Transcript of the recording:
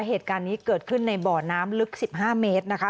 เหตุการณ์นี้เกิดขึ้นในบ่อน้ำลึก๑๕เมตรนะคะ